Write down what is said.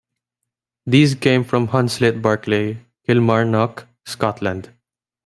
These came from Hunslet-Barclay, Kilmarnock, Scotland.